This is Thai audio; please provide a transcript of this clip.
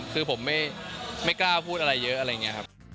คือผมไม่กล้าพูดอะไรเยอะอะไรอย่างนี้ครับ